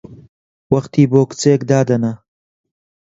وەختی بۆ کچێک دادەنا!